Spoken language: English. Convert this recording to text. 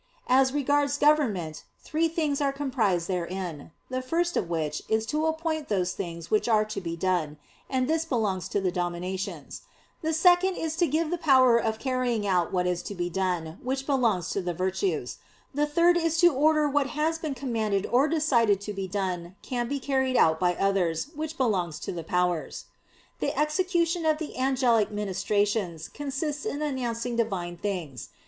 As regards government, three things are comprised therein, the first of which is to appoint those things which are to be done, and this belongs to the "Dominations"; the second is to give the power of carrying out what is to be done, which belongs to the "Virtues"; the third is to order how what has been commanded or decided to be done can be carried out by others, which belongs to the "Powers." The execution of the angelic ministrations consists in announcing Divine things.